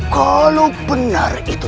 kalau benar itu